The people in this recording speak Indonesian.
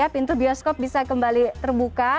pintu bioskop bisa kembali terbuka